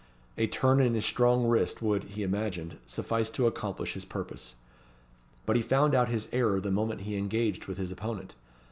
A turn in his strong wrist would, he imagined, suffice to accomplish his purpose. But he found out his error the moment he engaged with his opponent.